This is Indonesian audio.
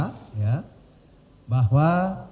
nah kami sudah mendapat konfirmasi dari garuda bahwa